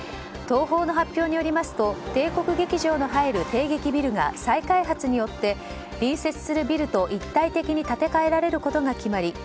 東宝の発表によりますと帝国劇場の入る帝劇ビルが再開発によって隣接するビルと一体的に建て替えられることが決まり